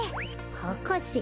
はかせ？